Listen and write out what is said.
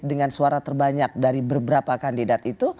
dengan suara terbanyak dari beberapa kandidat itu